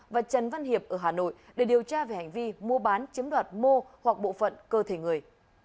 và trần văn hiệp ở hà nội để điều tra về hành vi mua bán chiếm đoạt mô hoặc bộ phận cơ thể người